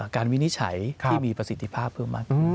วินิจฉัยที่มีประสิทธิภาพเพิ่มมาก